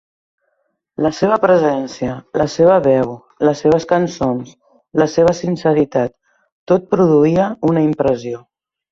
La seva presència, la seva veu, les seves cançons, la seva sinceritat, tot produïa una impressió.